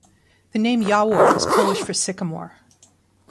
The name "Jawor" is Polish for "sycamore".